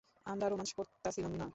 আমরা রোম্যান্স করতাছিলাম না!